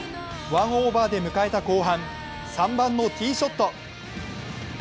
ワンオーバーで迎えた後半、３番のティーショット。